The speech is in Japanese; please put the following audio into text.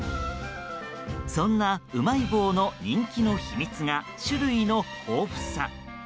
そんなうまい棒の人気の秘密が種類の豊富さ。